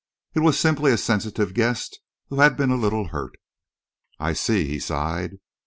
It was simply a sensitive guest who had been a little hurt." "I see," he sighed.